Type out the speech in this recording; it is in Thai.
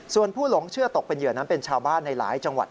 ส่วนผู้หลงเชื่อตกเป็นเหยื่อนั้นเป็นชาวบ้านในหลายจังหวัด